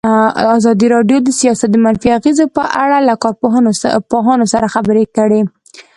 ازادي راډیو د سیاست د منفي اغېزو په اړه له کارپوهانو سره خبرې کړي.